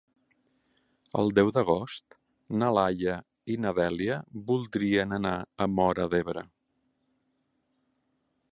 El deu d'agost na Laia i na Dèlia voldrien anar a Móra d'Ebre.